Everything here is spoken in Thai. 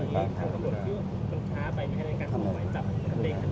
หมอบรรยาหมอบรรยา